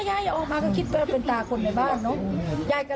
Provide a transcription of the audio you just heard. ก็คิดเป็นตากลในบ้านเนาะ